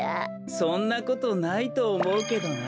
そんなことないとおもうけどな。